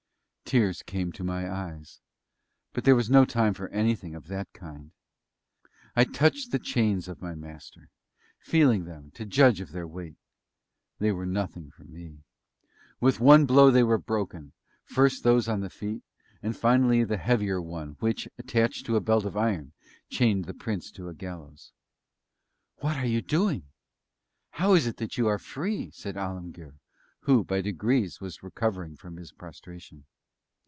Tears came to my eyes; but there was no time for anything of that kind! I touched the chains of my Master, feeling them to judge of their weight. They were nothing for me. With one blow they were broken first those on the feet, and finally the heavier one, which, attached to a belt of iron, chained the Prince to a gallows. "What are you doing? How is it that you are free?" said Alemguir, who, by degrees, was recovering from his prostration.